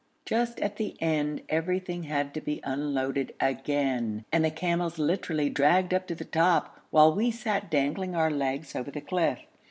Just at the end everything had to be unloaded again, and the camels literally dragged up to the top, while we sat dangling our legs over the cliff.